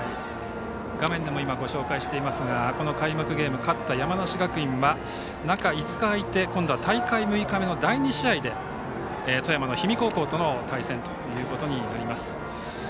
画面でもご紹介していますが開幕ゲームで勝った山梨学院は中５日空いて今度は大会６日目の第２試合で富山の氷見高校との対戦となります。